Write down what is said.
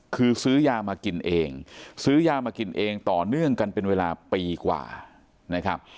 คือซื้อยามากินเองซื้อยามากินเองต่อเนื่องกันเป็นเวลาปีกว่านะครับ